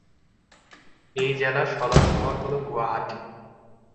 এই জেলার সদর শহর হল গুয়াহাটি।